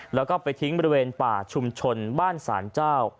แล้วก็ไปทิ้งบริเวณป่าชุมชนบ้านศาลเจ้า